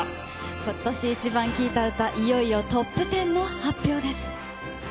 今年イチバン聴いた歌、いよいよトップ１０の発表です。